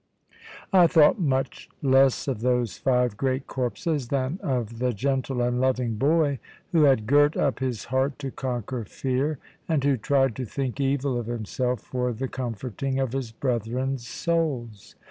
I thought much less of those five great corpses than of the gentle and loving boy who had girt up his heart to conquer fear, and who tried to think evil of himself for the comforting of his brethren's souls.